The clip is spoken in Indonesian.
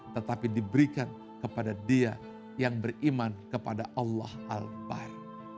tetapi diberikan kepada dia yang beriman kepada allah al bah